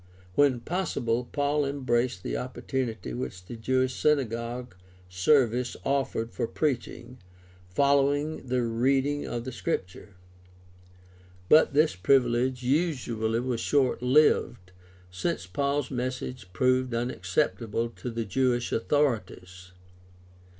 When possible, Paul embraced the opportunity which the Jewish synagogue service offered for preaching, following the reading of the Scripture. But this privilege usually was short lived, since Paul's message proved unacceptable to the Jewish authorities.